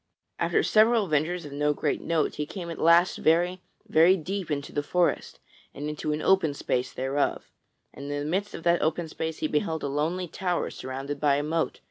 After several adventures of no great note he came at last very, very deep into the forest and into an open space thereof; and in the midst of that open space he beheld a lonely tower surrounded by a moat.